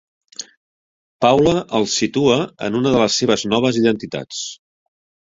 Paula el situa en una de les seves noves identitats.